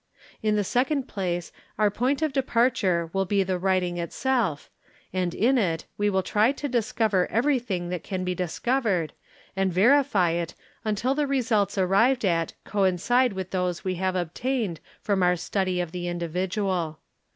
In the second place our point of departure will be the _ writing itself, and in it we will try to discover everything that can be ;_ discovered and verify it until the results arrived at coincide with those we i have obtained from our study of the individual.